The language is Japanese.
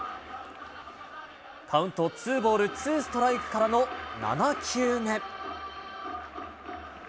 カウント、ツーボールツーストライクからの７球目。